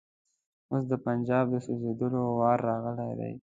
اوس د پنجاب د سوځېدلو وار راغلی دی.